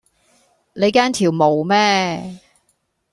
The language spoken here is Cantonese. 你驚條毛咩